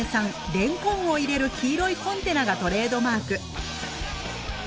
レンコンを入れる黄色いコンテナがトレードマーク。